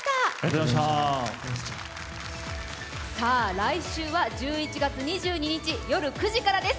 来週は１１月２２日夜９時からです。